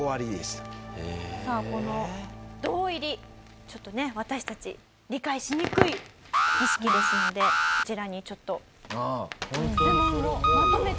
さあこの堂入りちょっとね私たち理解しにくい儀式ですのでこちらにちょっと質問をまとめてみました。